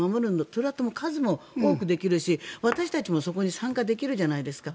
それだったら数も多くできるし私たちもそこに参加できるじゃないですか。